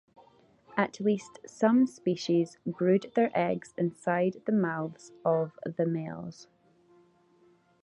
At least some species brood their eggs inside the mouths of the males.